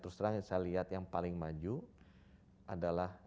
terus terakhir saya lihat yang paling maju adalah